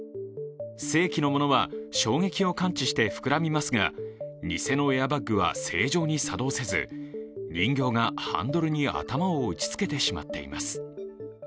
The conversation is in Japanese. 正規のものは衝撃を感知して膨らみますが、偽のエアバッグは偽エアバッグは正常に作動せず人形がハンドルに頭を打ちつけてしまっています。